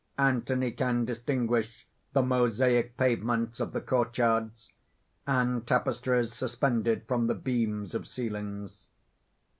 Anthony can distinguish the mosaic pavements of the courtyards, and tapestries suspended from the beams of ceilings.